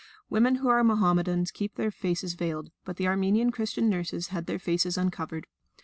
Women who are Mohammedans keep their faces veiled, but the Armenian Christian nurses had their faces uncovered.